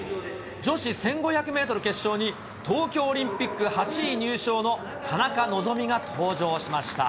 女子１５００メートル決勝に東京オリンピック８位入賞の田中希実が登場しました。